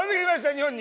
日本に。